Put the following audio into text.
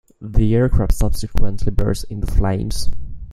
The aircraft subsequently burst into flames.